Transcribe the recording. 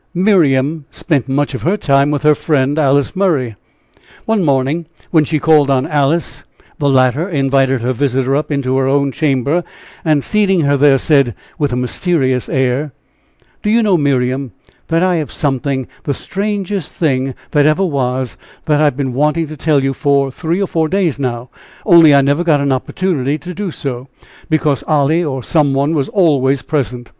Miriam spent much of her time with her friend, Alice Murray. One morning, when she called on Alice, the latter invited her visitor up into her own chamber, and seating her there, said, with a mysterious air: "Do you know, Miriam, that I have something the strangest thing that ever was that I have been wanting to tell you for three or four days, only I never got an opportunity to do so, because Olly or some one was always present?